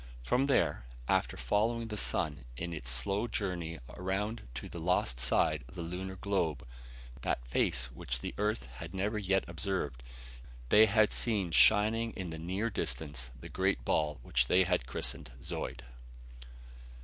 From there, after following the sun in its slow journey around to the lost side of the lunar globe that face which the earth has never yet observed they had seen shining in the near distance the great ball which they had christened Zeud.